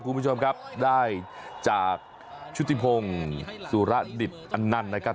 คุณผู้ชมครับได้จากชุติพงศ์สุรดิตอันนันต์นะครับ